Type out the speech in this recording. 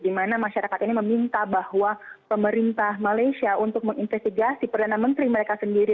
dimana masyarakat ini meminta bahwa pemerintah malaysia untuk menginvestigasi perlena menteri mereka sendiri